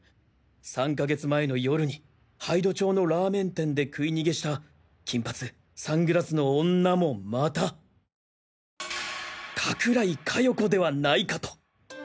３か月前の夜に杯戸町のラーメン店で食い逃げした金髪サングラスの女もまた加倉井加代子ではないかと。